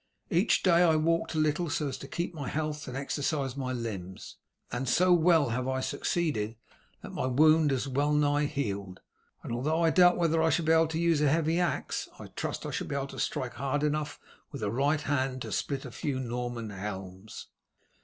Each day I walked a little, so as to keep my health and exercise my limbs, and so well have I succeeded that my wound has well nigh healed; and although I doubt whether I shall be able to use a heavy axe, I trust I shall be able to strike hard enough with the right hand to split a few Norman helms."